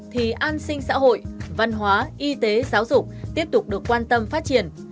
thì an sinh xã hội văn hóa y tế giáo dục tiếp tục được quan tâm phát triển